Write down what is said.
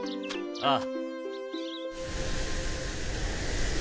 ああ。